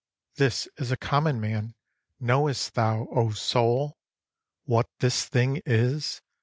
'This is a common man: knowest thou, O soul, What this thing is?